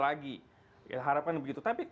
lagi harapkan begitu tapi